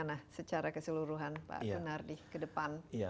ini bagaimana secara keseluruhan pak gunardi kedepan